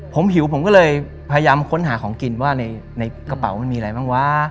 ผมหิวผมก็เลยพยายามค้นหาของกินว่าในกระเป๋ามันมีอะไรบ้างวะ